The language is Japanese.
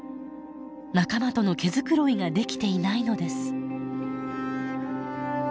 仲間との毛繕いができていないのです。